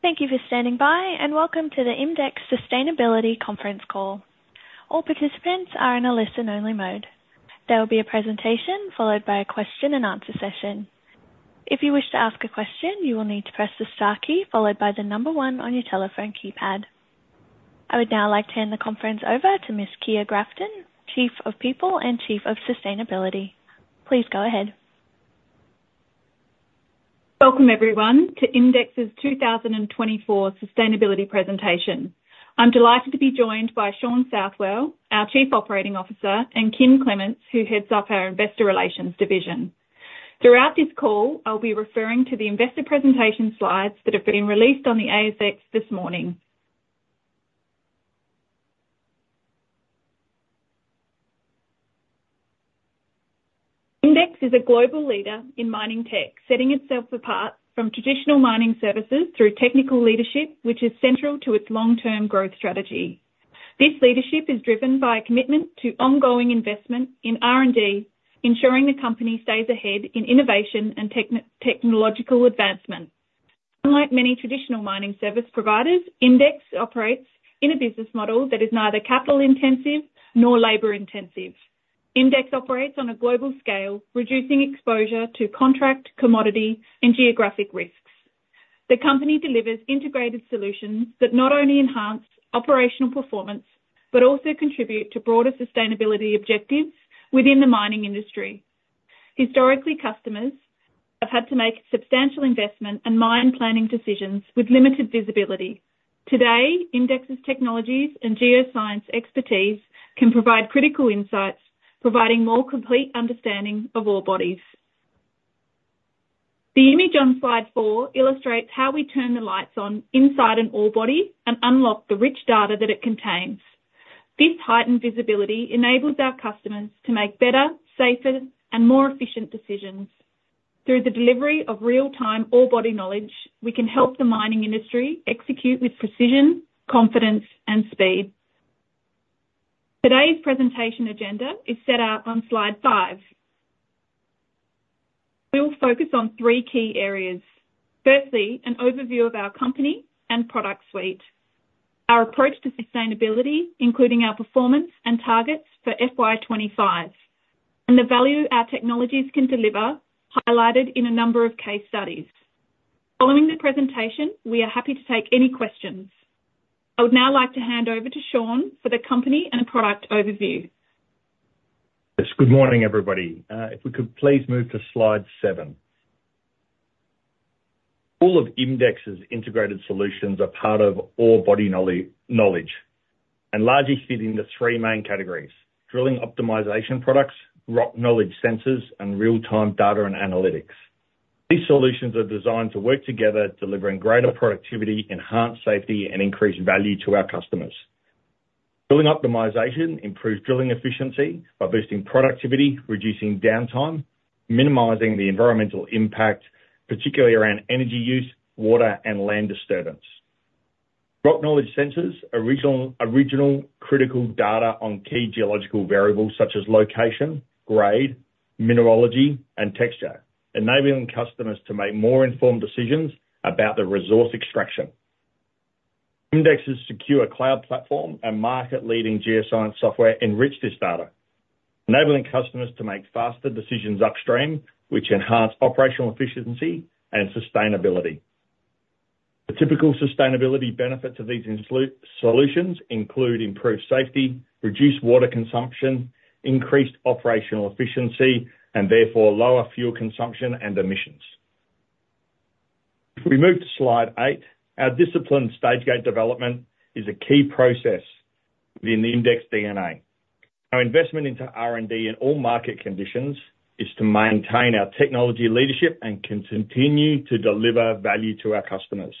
Thank you for standing by, and welcome to the IMDEX Sustainability conference call. All participants are in a listen-only mode. There will be a presentation, followed by a question and answer session. If you wish to ask a question, you will need to press the star key followed by the number one on your telephone keypad. I would now like to hand the conference over to Ms. Kiah Grafton, Chief of People and Chief of Sustainability. Please go ahead. Welcome everyone, to IMDEX's 2024 sustainability presentation. I'm delighted to be joined by Shaun Southwell, our Chief Operating Officer, and Kym Clements, who heads up our investor relations division. Throughout this call, I'll be referring to the investor presentation slides that have been released on the ASX this morning. IMDEX is a global leader in mining tech, setting itself apart from traditional mining services through technical leadership, which is central to its long-term growth strategy. This leadership is driven by a commitment to ongoing investment in R&D, ensuring the company stays ahead in innovation and technological advancement. Unlike many traditional mining service providers, IMDEX operates in a business model that is neither capital-intensive nor labor-intensive. IMDEX operates on a global scale, reducing exposure to contract, commodity, and geographic risks. The company delivers integrated solutions that not only enhance operational performance, but also contribute to broader sustainability objectives within the mining industry. Historically, customers have had to make substantial investment and mine planning decisions with limited visibility. Today, IMDEX's technologies and geoscience expertise can provide critical insights, providing more complete understanding of ore bodies. The image on slide four illustrates how we turn the lights on inside an ore body and unlock the rich data that it contains. This heightened visibility enables our customers to make better, safer, and more efficient decisions. Through the delivery of real-time ore body knowledge, we can help the mining industry execute with precision, confidence, and speed. Today's presentation agenda is set out on slide five. We'll focus on three key areas. Firstly, an overview of our company and product suite. Our approach to sustainability, including our performance and targets for FY 2025, and the value our technologies can deliver, highlighted in a number of case studies. Following the presentation, we are happy to take any questions. I would now like to hand over to Shaun for the company and a product overview. Yes, good morning, everybody. If we could please move to slide seven. All of IMDEX's integrated solutions are part of ore body knowledge, and largely fit into three main categories: drilling optimization products, rock knowledge sensors, and real-time data and analytics. These solutions are designed to work together, delivering greater productivity, enhanced safety, and increased value to our customers. Drilling optimization improves drilling efficiency by boosting productivity, reducing downtime, minimizing the environmental impact, particularly around energy use, water and land disturbance. Rock knowledge sensors originate critical data on key geological variables such as location, grade, mineralogy, and texture, enabling customers to make more informed decisions about the resource extraction. IMDEX's secure cloud platform and market-leading geoscience software enrich this data, enabling customers to make faster decisions upstream, which enhance operational efficiency and sustainability. The typical sustainability benefits of these in situ solutions include: improved safety, reduced water consumption, increased operational efficiency, and therefore lower fuel consumption and emissions. If we move to slide eight, our disciplined stage gate development is a key process within the IMDEX DNA. Our investment into R&D in all market conditions is to maintain our technology leadership and can continue to deliver value to our customers.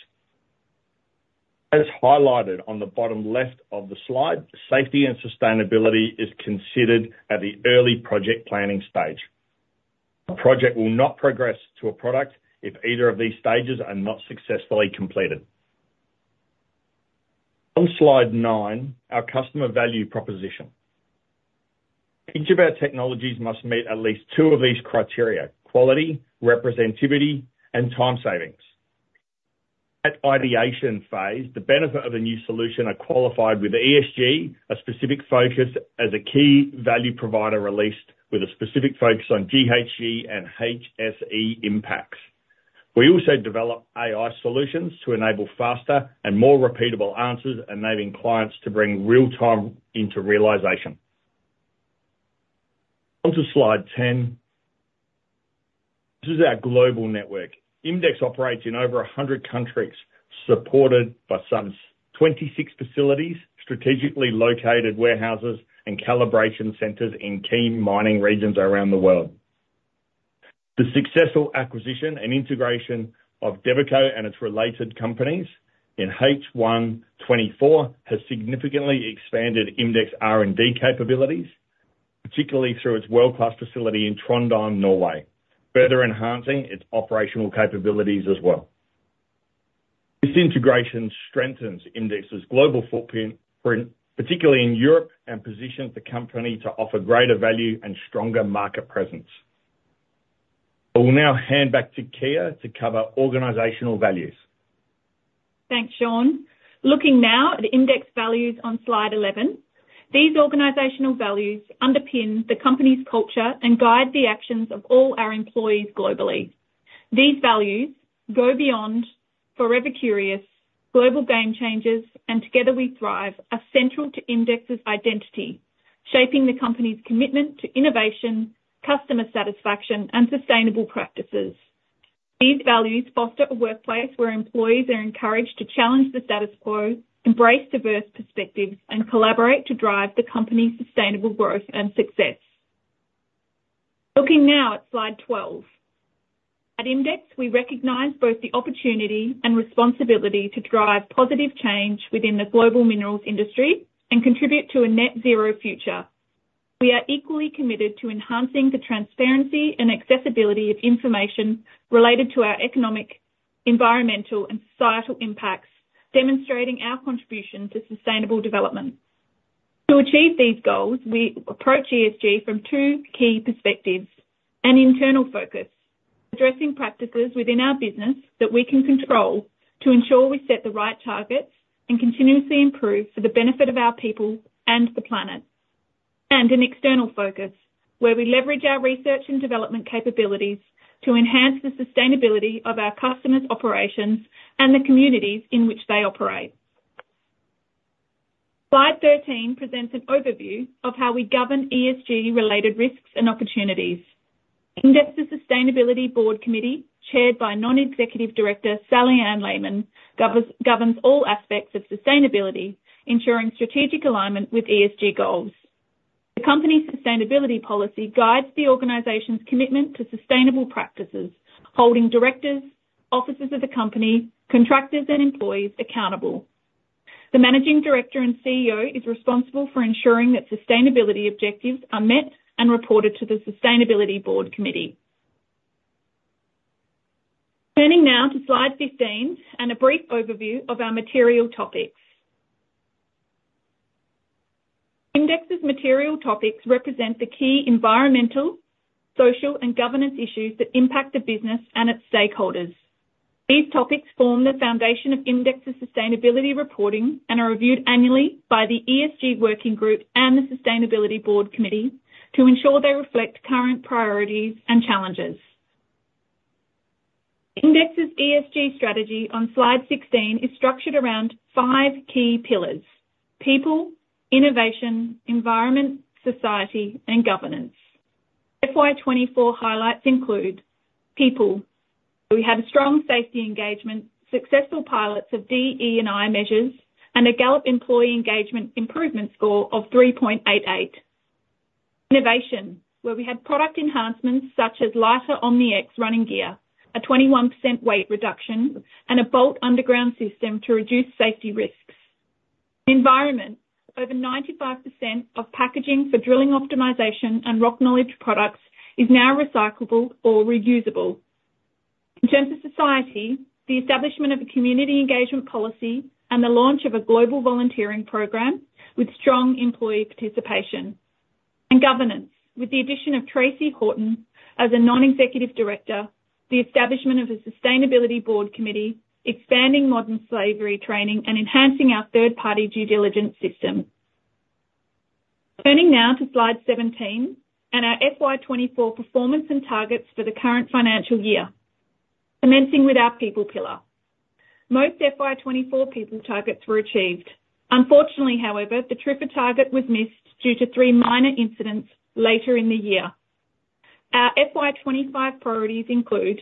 As highlighted on the bottom left of the slide, safety and sustainability is considered at the early project planning stage. A project will not progress to a product if either of these stages are not successfully completed. On slide nine, our customer value proposition. Each of our technologies must meet at least two of these criteria: quality, representativity, and time savings. At ideation phase, the benefit of a new solution are qualified with ESG, a specific focus as a key value provider released with a specific focus on GHG and HSE impacts. We also develop AI solutions to enable faster and more repeatable answers, enabling clients to bring real time into realization. On to slide 10. This is our global network. IMDEX operates in over 100 countries, supported by some 26 facilities, strategically located warehouses, and calibration centers in key mining regions around the world. The successful acquisition and integration of Devico and its related companies in H1 2024, has significantly expanded IMDEX R&D capabilities, particularly through its world-class facility in Trondheim, Norway, further enhancing its operational capabilities as well. This integration strengthens IMDEX's global footprint, particularly in Europe, and positions the company to offer greater value and stronger market presence.... I will now hand back to Kiah to cover organizational values. Thanks, Shaun. Looking now at the IMDEX values on slide 11. These organizational values underpin the company's culture and guide the actions of all our employees globally. These values go beyond forever curious, global game changers, and together we thrive, are central to IMDEX's identity, shaping the company's commitment to innovation, customer satisfaction, and sustainable practices. These values foster a workplace where employees are encouraged to challenge the status quo, embrace diverse perspectives, and collaborate to drive the company's sustainable growth and success. Looking now at slide 12. At IMDEX, we recognize both the opportunity and responsibility to drive positive change within the global minerals industry and contribute to a net zero future. We are equally committed to enhancing the transparency and accessibility of information related to our economic, environmental, and societal impacts, demonstrating our contribution to sustainable development. To achieve these goals, we approach ESG from two key perspectives: an internal focus, addressing practices within our business that we can control to ensure we set the right targets and continuously improve for the benefit of our people and the planet, and an external focus, where we leverage our research and development capabilities to enhance the sustainability of our customers' operations and the communities in which they operate. Slide 13 presents an overview of how we govern ESG-related risks and opportunities. IMDEX's Sustainability Board Committee, chaired by Non-Executive Director Sally-Anne Layman, governs all aspects of sustainability, ensuring strategic alignment with ESG goals. The company's sustainability policy guides the organization's commitment to sustainable practices, holding directors, officers of the company, contractors and employees accountable. The Managing Director and CEO is responsible for ensuring that sustainability objectives are met and reported to the Sustainability Board Committee. Turning now to slide 15, and a brief overview of our material topics. IMDEX's material topics represent the key environmental, social, and governance issues that impact the business and its stakeholders. These topics form the foundation of IMDEX's sustainability reporting and are reviewed annually by the ESG working group and the Sustainability Board Committee to ensure they reflect current priorities and challenges. IMDEX's ESG strategy on slide 16 is structured around five key pillars: people, innovation, environment, society, and governance. FY 2024 highlights include people. We had a strong safety engagement, successful pilots of DE&I measures, and a Gallup employee engagement improvement score of 3.88. Innovation, where we had product enhancements such as lighter OMNI-X running gear, a 21% weight reduction, and a BOLT underground system to reduce safety risks. Environment, over 95% of packaging for drilling optimization and rock knowledge products is now recyclable or reusable. In terms of society, the establishment of a community engagement policy and the launch of a global volunteering program with strong employee participation, and governance, with the addition of Tracey Horton as a Non-Executive Director, the establishment of a Sustainability Board Committee, expanding modern slavery training, and enhancing our third-party due diligence system. Turning now to slide 17, and our FY 2024 performance and targets for the current financial year. Commencing with our people pillar. Most FY 2024 people targets were achieved. Unfortunately, however, the TRIFR target was missed due to three minor incidents later in the year. Our FY 2025 priorities include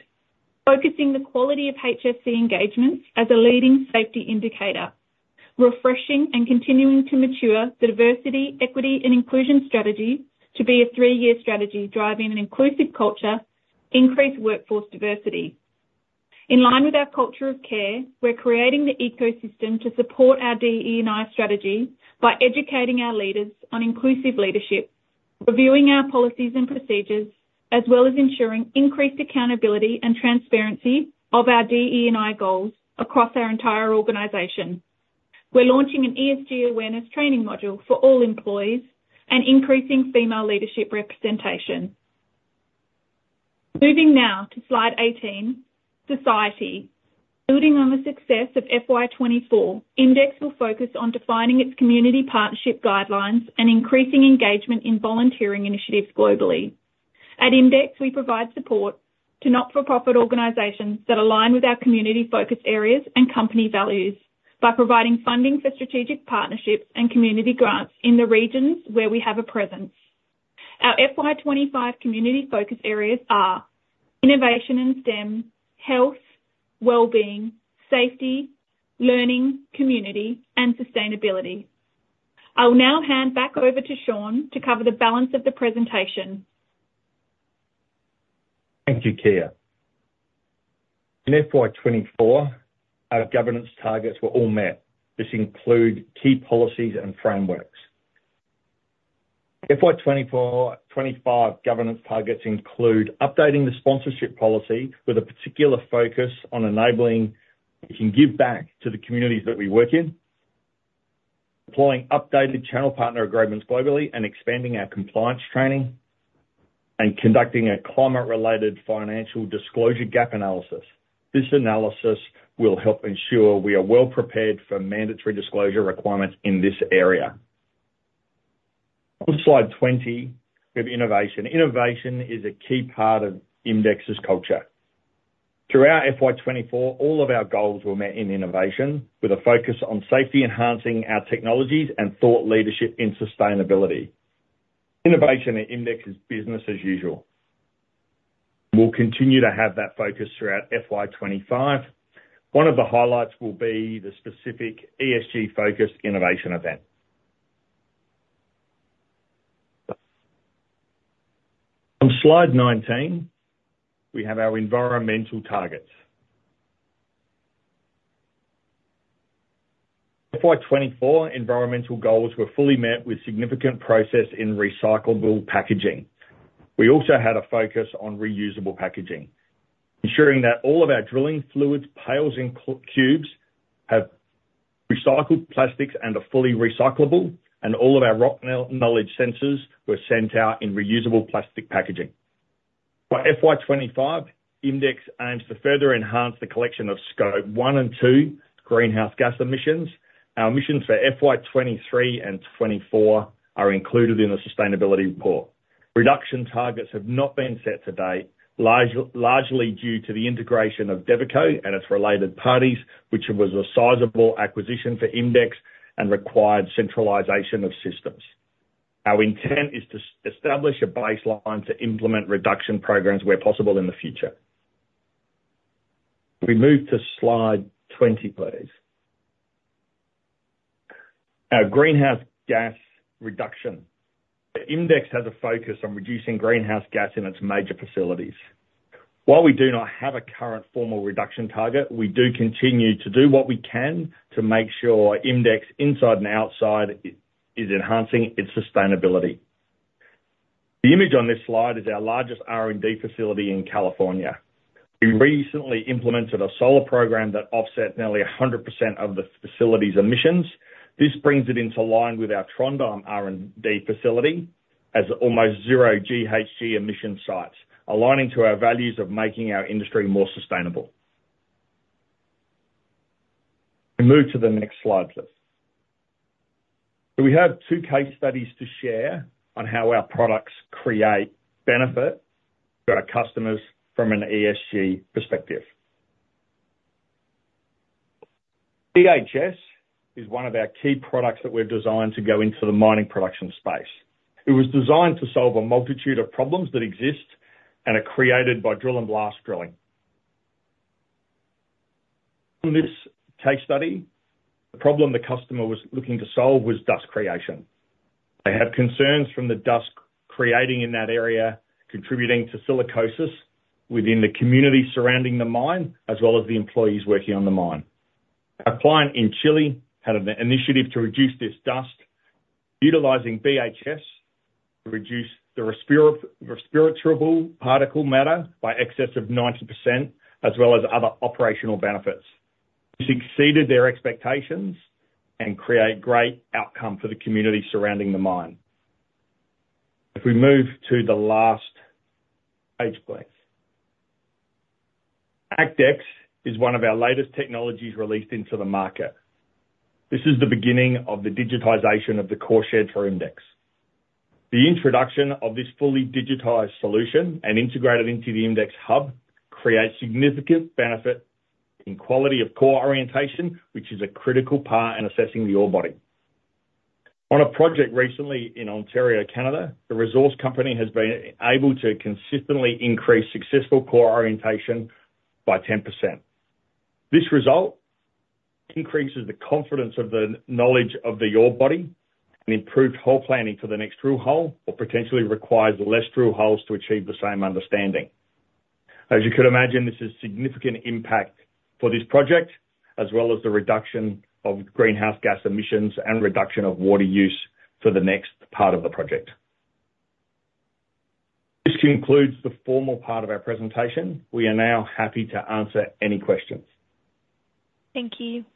focusing the quality of HSE engagements as a leading safety indicator, refreshing and continuing to mature the diversity, equity, and inclusion strategy to be a three-year strategy, driving an inclusive culture, increase workforce diversity. In line with our culture of care, we're creating the ecosystem to support our DE&I strategy by educating our leaders on inclusive leadership, reviewing our policies and procedures, as well as ensuring increased accountability and transparency of our DE&I goals across our entire organization. We're launching an ESG awareness training module for all employees and increasing female leadership representation. Moving now to slide 18, society. Building on the success of FY 2024, IMDEX will focus on defining its community partnership guidelines and increasing engagement in volunteering initiatives globally. At IMDEX, we provide support to not-for-profit organizations that align with our community focus areas and company values by providing funding for strategic partnerships and community grants in the regions where we have a presence. Our FY 2025 community focus areas are innovation and STEM, health, well-being, safety, learning, community, and sustainability. I'll now hand back over to Shaun to cover the balance of the presentation. Thank you, Kiah. In FY 2024, our governance targets were all met. This include key policies and frameworks. FY 2024/2025 governance targets include updating the sponsorship policy with a particular focus on enabling we can give back to the communities that we work in. Deploying updated channel partner agreements globally and expanding our compliance training, and conducting a climate-related financial disclosure gap analysis. This analysis will help ensure we are well prepared for mandatory disclosure requirements in this area. On slide 20, we have innovation. Innovation is a key part of IMDEX's culture. Throughout FY 2024, all of our goals were met in innovation, with a focus on safety, enhancing our technologies, and thought leadership in sustainability. Innovation at IMDEX is business as usual. We'll continue to have that focus throughout FY 2025. One of the highlights will be the specific ESG-focused innovation event. On slide 19, we have our environmental targets. FY 2024 environmental goals were fully met with significant progress in recyclable packaging. We also had a focus on reusable packaging, ensuring that all of our drilling fluids, pails, and cubes have recycled plastics and are fully recyclable, and all of our rock knowledge sensors were sent out in reusable plastic packaging. By FY 2025, IMDEX aims to further enhance the collection of Scope 1 and 2 greenhouse gas emissions. Our emissions for FY 2023 and 2024 are included in the sustainability report. Reduction targets have not been set to date, largely due to the integration of Devico and its related parties, which was a sizable acquisition for IMDEX and required centralization of systems. Our intent is to establish a baseline to implement reduction programs where possible in the future. Can we move to slide 20, please? Our greenhouse gas reduction. IMDEX has a focus on reducing greenhouse gas in its major facilities. While we do not have a current formal reduction target, we do continue to do what we can to make sure IMDEX, inside and outside, is enhancing its sustainability. The image on this slide is our largest R&D facility in California. We recently implemented a solar program that offset nearly 100% of the facility's emissions. This brings it into line with our Trondheim R&D facility as almost zero GHG emission sites, aligning to our values of making our industry more sustainable. We move to the next slide, please. We have two case studies to share on how our products create benefit for our customers from an ESG perspective. BHS is one of our key products that we've designed to go into the mining production space. It was designed to solve a multitude of problems that exist and are created by drill and blast drilling. In this case study, the problem the customer was looking to solve was dust creation. They had concerns from the dust creating in that area, contributing to silicosis within the community surrounding the mine, as well as the employees working on the mine. Our client in Chile had an initiative to reduce this dust. Utilizing BHS to reduce the respirable particle matter by excess of 90%, as well as other operational benefits. This exceeded their expectations and create great outcome for the community surrounding the mine. If we move to the last page, please. ACTx is one of our latest technologies released into the market. This is the beginning of the digitization of the core shed for IMDEX. The introduction of this fully digitized solution and integrated into the IMDEX hub creates significant benefit in quality of core orientation, which is a critical part in assessing the ore body. On a project recently in Ontario, Canada, the resource company has been able to consistently increase successful core orientation by 10%. This result increases the confidence of the knowledge of the ore body and improved hole planning for the next drill hole, or potentially requires less drill holes to achieve the same understanding. As you could imagine, this is significant impact for this project, as well as the reduction of greenhouse gas emissions and reduction of water use for the next part of the project. This concludes the formal part of our presentation. We are now happy to answer any questions. Thank you.